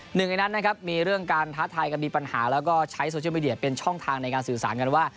หนึ่งในนั้นนะครับมีเรื่องการท้าทายกันมีปัญหาแล้วก็ใช้โซเชียลมีเดียเป็นช่องทางในการสื่อสารกันว่า